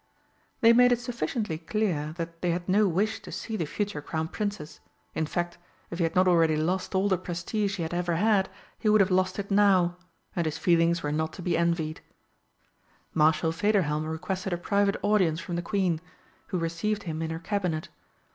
They made it sufficiently clear that they had no wish to see the future Crown Princess. In fact, if he had not already lost all the prestige he had ever had, he would have lost it now, and his feelings were not to be envied. Marshal Federhelm requested a private audience from the Queen, who received him in her Cabinet.